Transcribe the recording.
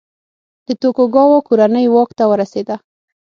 د توکوګاوا کورنۍ واک ته ورسېده.